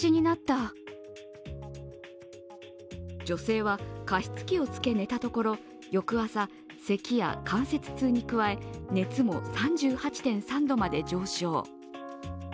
女性は、加湿器をつけ寝たところ、翌朝、せきや関節痛に加え、熱も３８．３度まで上昇。